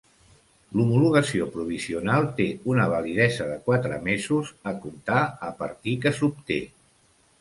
L'homologació provisional té una validesa de quatre mesos a comptar a partir que s'obté.